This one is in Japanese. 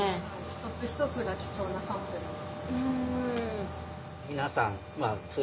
一つ一つが貴重なサンプルですね。